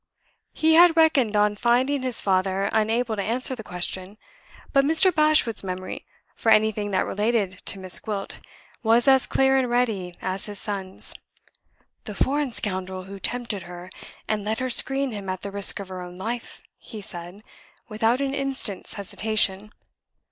He had reckoned on finding his father unable to answer the question. But Mr. Bashwood's memory, for anything that related to Miss Gwilt, was as clear and ready as his son's. "The foreign scoundrel who tempted her, and let her screen him at the risk of her own life," he said, without an instant's hesitation.